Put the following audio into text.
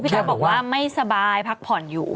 เต๊กบอกว่าไม่สบายพักผ่อนอยู่